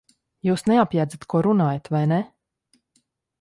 Jūs neapjēdzat, ko runājat, vai ne?